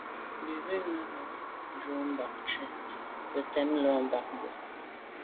Bə̌k rə̌ zə̂nù nə́ jú’ mbā bɑ̀ cú cɛ̌d ntɔ́k lá bɑdə̂.